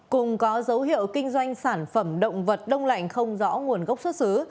cùng có dấu hiệu kinh doanh sản phẩm động vật đông lạnh không rõ nguồn gốc xuất xứ